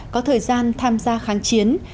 có thời gian tham gia kháng chiến